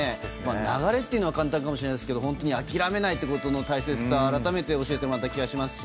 流れというのは簡単かもしれないですが諦めないことの大切さを改めて教えてもらった気がしますし。